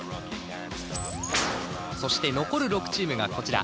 そして残る６チームがこちら。